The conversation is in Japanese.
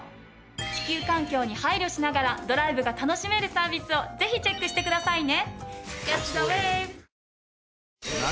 地球環境に配慮しながらドライブが楽しめるサービスをぜひチェックしてくださいね。